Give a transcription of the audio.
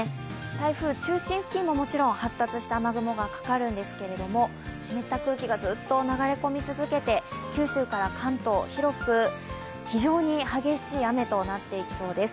台風、中心付近ももちろん発達した雨雲がかかるんですけど湿った空気がずっと流れ込み続けて、九州から関東、広く非常に激しい雨となっていきそうです。